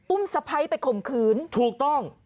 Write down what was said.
สะพ้ายไปข่มขืนถูกต้อง